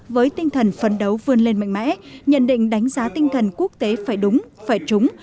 với tinh thần phấn đấu vươn lên mạnh mẽ nhận định đánh giá tinh thần quốc tế phải đúng phải trúng